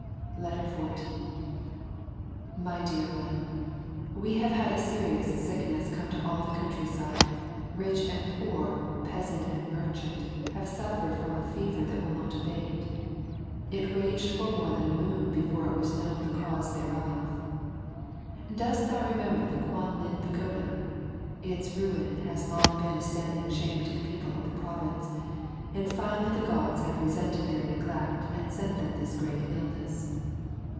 14 My Dear One, We have had a serious sickness come to all the countryside; rich and poor, peasant and merchant have suffered from a fever that will not abate. It raged for more than a moon before it was known the cause thereof. Dost thou remember the Kwan lin Pagoda? Its ruin has long been a standing shame to the people of the province, and finally the Gods have resented their neglect and sent them this great illness.